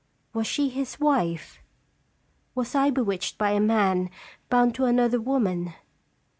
Was she his wife ? Was I bewitched by a man bound to another woman